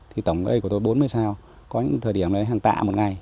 thì tổng ở đây của tôi bốn mươi sào có những thời điểm là hàng tạ một ngày